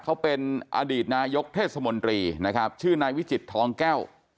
เขาเป็นอดีตนายกเทศมนตรีนะครับชื่อนายวิจิตทองแก้ว